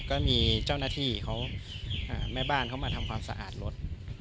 ก็มีเจ้าหน้าที่เขาแม่บ้านเขามาทำความสะอาดรถ